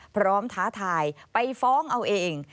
พร้อมท้าทายไปฟ้องเอาเอง